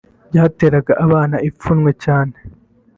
byateraga abana ipfunwe cyane